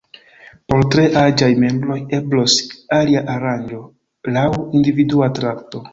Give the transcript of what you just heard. Por tre aĝaj membroj, eblos alia aranĝo laŭ individua trakto.